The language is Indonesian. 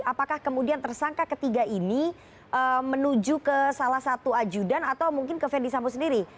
apakah kemudian tersangka ketiga ini menuju ke salah satu ajudan atau mungkin ke fendi sambo sendiri